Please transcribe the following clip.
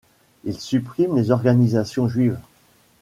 Ils suppriment les organisations juives.